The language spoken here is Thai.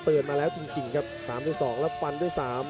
ตื่นมาแล้วตี่งครับปันด้วย๓และกับพรีเกิล